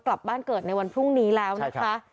กลับบ้านเกิดในวันพรุ่งนี้แล้วนะคะ